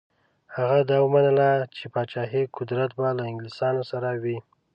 هغه دا ومنله چې پاچهي قدرت به له انګلیسیانو سره وي.